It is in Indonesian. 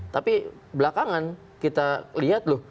tapi belakangan kita lihat loh